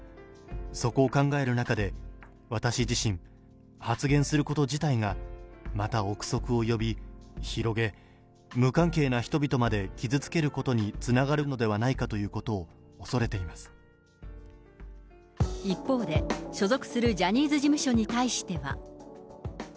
そこを考える中で、私自身、発言すること自体がまた臆測を呼び、広げ、無関係な人々まで傷つけることにつながるのではないかということ一方で、所属するジャニーズ事務所に対しては。